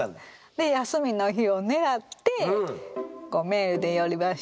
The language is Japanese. で休みの日をねらってメールで呼び出して。